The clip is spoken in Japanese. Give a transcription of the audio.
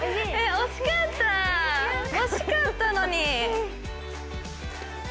惜しかった惜しかったのに。